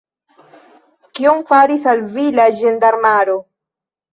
Kion faris al vi la ĝendarmaro?